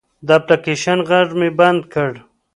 د اپلیکیشن غږ مې بند کړ.